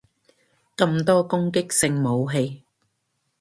咁多攻擊性武器